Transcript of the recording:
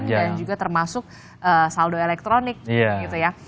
dan juga termasuk saldo elektronik gitu ya